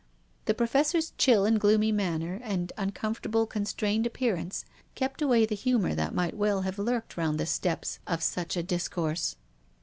The Professor's chill and gloomy manner, and uncomfortable, constrained appearance kept away the humour that might well have lurked round the steps of such a discourse.